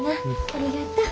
ありがとう。